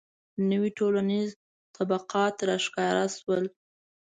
• نوي ټولنیز طبقات راښکاره شول.